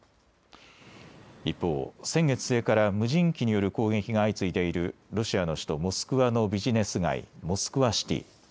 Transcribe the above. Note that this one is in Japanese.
一方、先月末から無人機による攻撃が相次いでいるロシアの首都モスクワのビジネス街、モスクワシティ。